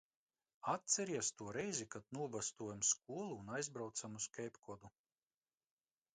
Atceries to reizi, kad nobastojam skolu un aizbraucam uz Keipkodu?